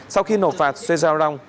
sau khi nộp phạt xoay rau rong